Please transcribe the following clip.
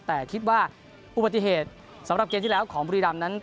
แต่คิดว่าอุบัติเหตุสำหรับเกมที่แล้วของบุรีรำนั้น